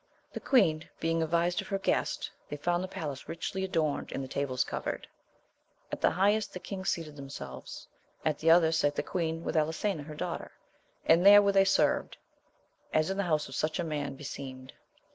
The queen being advised of her guest they found the palace richly adorned, and the tables covered. At the highest the kings seated themselves : at the other sate the queen with Elisena her daughter, and there were they served, as in the house of such a man be seemed.